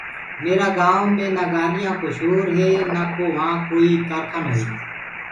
ميرآ گآئونٚ مي نآ گاڏيآنٚ ڪو شور هي نآڪو وهآن ڪوئي ڪارکانو هي